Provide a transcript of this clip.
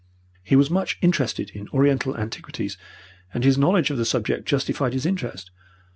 "He was much interested in Oriental antiquities, and his knowledge of the subject justified his interest.